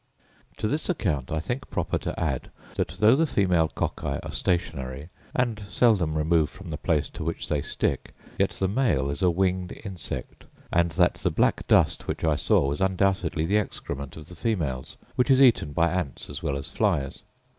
To this account I think proper to add, that, though the female cocci are stationary, and seldom remove from the place to which they stick, yet the male is a winged insect; and that the black dust which I saw was undoubtedly the excrement of the females, which is eaten by ants as well as flies.